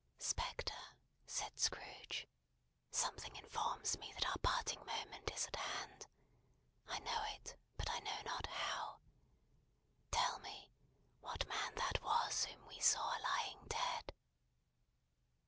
"Spectre," said Scrooge, "something informs me that our parting moment is at hand. I know it, but I know not how. Tell me what man that was whom we saw lying dead?"